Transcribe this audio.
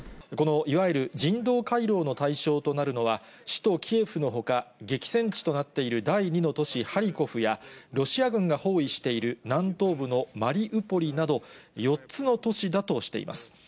このいわゆる人道回廊の対象となるのは、首都キエフのほか、激戦地となっている第２の都市ハリコフや、ロシア軍が包囲している南東部のマリウポリなど、４つの都市だとしています。